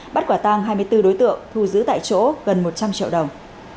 bắt quả tăng hai mươi bốn đối tượng thu giữ tại chỗ gần một trăm linh triệu đồng